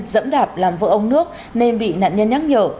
dẫm đạp làm vỡ ông nước nên bị nạn nhân nhắc nhở